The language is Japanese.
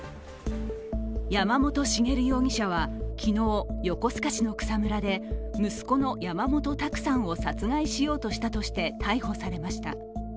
山本茂容疑者は昨日、横須賀市の草むらで息子の山本卓さんを殺害しようとしたとして逮捕されました。